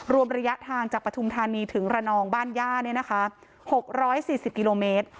รวมระยะทางจากปฐุมธานีถึงระนองบ้านย่า๖๔๐กิโลเมตร